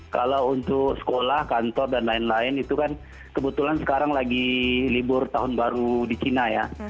kalau untuk sekolah kantor dan lain lain itu kan kebetulan sekarang lagi libur tahun baru di china ya